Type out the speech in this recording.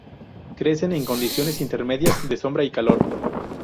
Crecen en condiciones intermedias de sombra y calor.